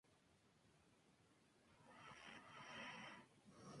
Desecar el río está provocando daños, quizás irreparables